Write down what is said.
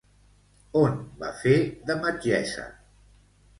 On va fer de metgessa?